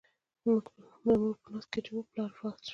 د مور په نس کې و چې پلار یې وفات شو.